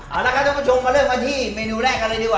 เอาต่อแล้วทุกผู้ชมเริ่มที่เมนูแรกกันเลยสิคะ